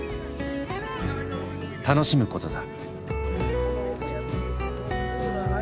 楽しむことだ。